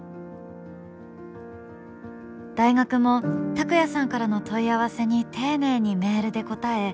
大学も、たくやさんからの問い合わせに丁寧にメールで答え